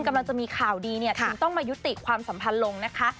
กำลังจะมีข่าวดีเนี่ยถึงต้องมายุติความสัมพันธ์ลงนะคะ